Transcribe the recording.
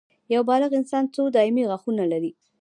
یو بالغ انسان څو دایمي غاښونه لري